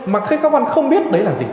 mà khi các con không biết